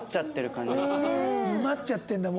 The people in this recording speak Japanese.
沼っちゃってんだ